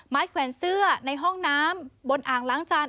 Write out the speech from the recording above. แขวนเสื้อในห้องน้ำบนอ่างล้างจาน